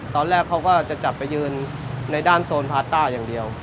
ตอนแรกเขาก็จะจับไปยืนในด้านโซนพาต้าอย่างเดียว